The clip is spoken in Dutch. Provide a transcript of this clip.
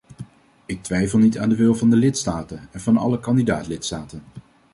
Ik twijfel niet aan de wil van de lidstaten en van alle kandidaat-lidstaten.